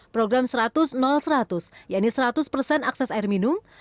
program seratus seratus yaitu seratus persen akses air minum